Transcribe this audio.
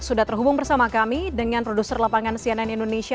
sudah terhubung bersama kami dengan produser lapangan cnn indonesia